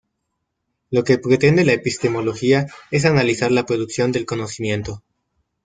Lo que pretende la epistemología es analizar la producción del conocimiento.